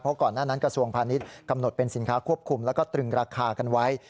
เพราะก่อนหน้านั้นกระทรวงพาณิชย์กำหนดเป็นสินค้าควบคุมแล้วก็ตรึงราคากันไว้